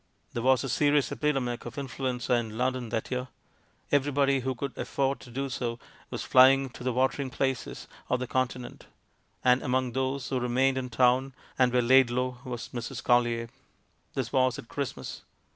There was a serious epidemic of influenza in London that year. Everybody who could afford to do so was flying to the watering places, or the Continent; and among those who remained in town and were laid low, was ]Mrs. ColHer. This was at Christmas.